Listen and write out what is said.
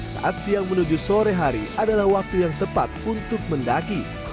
saat siang menuju sore hari adalah waktu yang tepat untuk mendaki